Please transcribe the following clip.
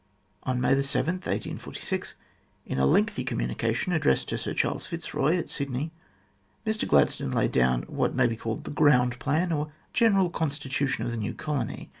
On May 7, 1846, in a lengthy communication addressed to Sir Charles Fitzroy at Sydney, Mr Gladstone laid down what may be called the ground plan or general constitution of the new colony.